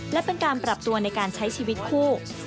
และเป็นการปรับตัวในการใช้ชีวิตคู่